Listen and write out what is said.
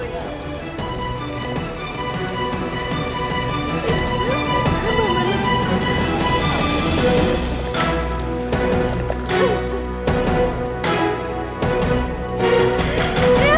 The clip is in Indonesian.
ini kehukumanmu ya allah